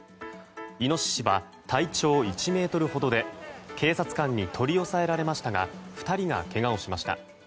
イノシシは体長１ｍほどで警察官に取り押さえられましたが２人がけがをしました。